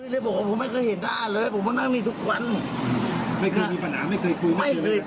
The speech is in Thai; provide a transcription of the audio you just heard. ลองสมาธิเสร็จก็มานั่งกินอะไรกัน